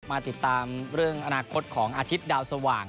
มาติดตามเรื่องอนาคตของอาทิตย์ดาวสว่าง